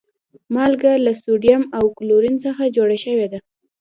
مالګه له سودیم او کلورین څخه جوړه شوی ده